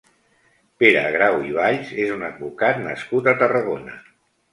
Pere Grau i Valls és un advocat nascut a Tarragona.